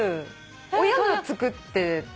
親が作ってて。